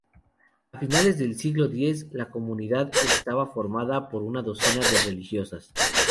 A finales del siglo X la comunidad estaba formada por una docena de religiosas.